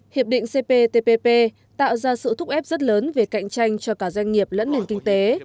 hiệp định cptpp tạo ra sự thúc ép rất lớn về cạnh tranh cho cả doanh nghiệp lẫn nền kinh tế